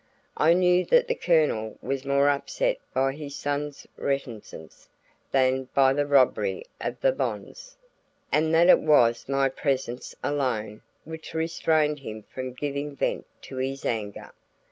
I knew that the Colonel was more upset by his son's reticence than by the robbery of the bonds, and that it was my presence alone which restrained him from giving vent to his anger.